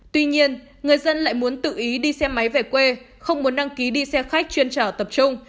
tuy nhiên người dân lại muốn tự ý đi xe máy về quê không muốn đăng ký đi xe khách chuyên trở tập trung